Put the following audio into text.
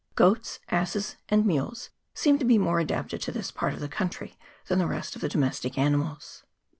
Goats, asses, and mules seem to be more adapted to this part of the country than the rest of the domestic animals.